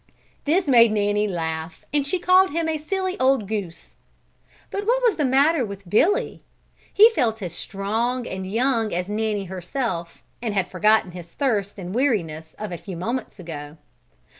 This made Nanny laugh and she called him a silly, old goose. But what was the matter with Billy? He felt as strong and young as Nanny herself, and had forgotten his thirst and weariness of a few moments ago.